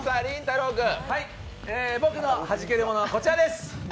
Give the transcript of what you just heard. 僕のハジけるものはこちらです。